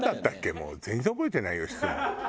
もう全然覚えてないよ質問。